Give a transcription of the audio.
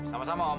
sama sama om